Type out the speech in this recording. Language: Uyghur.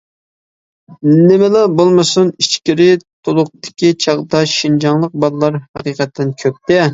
نېمىلا بولمىسۇن، ئىچكىرى تولۇقتىكى چاغدا شىنجاڭلىق بالىلار ھەقىقەتەن كۆپتى.